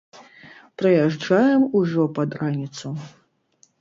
Прыязджаем ужо пад раніцу.